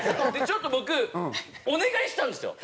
ちょっと僕お願いしたんですよ。